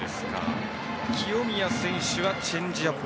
清宮選手はチェンジアップ。